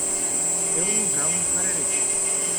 Eu nu vreau mâncare rece.